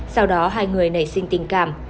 sau đó hai người nảy sinh tình cảm